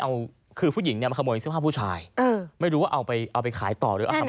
เอาคือผู้หญิงเนี่ยมาขโมยเสื้อผ้าผู้ชายเออไม่รู้ว่าเอาไปเอาไปขายต่อหรือเอาทำไม